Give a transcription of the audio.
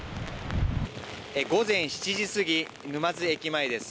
午前７時過ぎ、沼津駅前です。